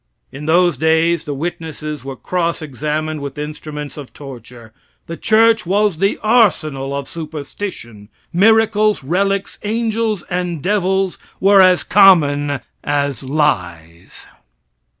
In those days the witnesses were cross examined with instruments of torture; the church was the arsenal of superstition; miracles, relics, angels, and devils were as common as lies.